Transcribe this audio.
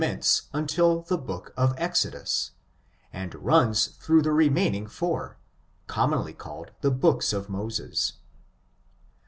113 I mence until the book of Exodus, and runs through the remaining /owr, commonly called the books of Moses.